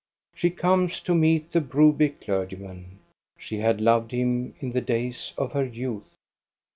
She comes to meet the Broby clergyman. She had loved him in the days of her youth.